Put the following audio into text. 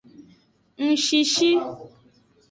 Ngshishi.